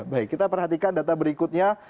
baik kita perhatikan data berikutnya